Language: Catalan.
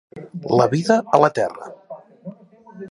La vida a la Terra.